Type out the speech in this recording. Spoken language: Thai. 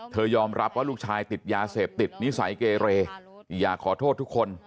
ยอมรับว่าลูกชายติดยาเสพติดนิสัยเกเรอยากขอโทษทุกคน